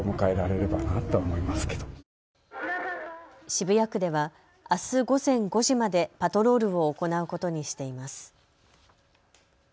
渋谷区ではあす午前５時までパトロールを行うことにしています。